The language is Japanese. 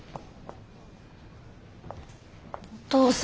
お父さん。